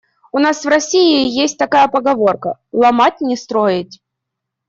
У нас в России есть такая поговорка: "Ломать — не строить".